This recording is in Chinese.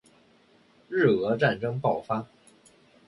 日俄战争爆发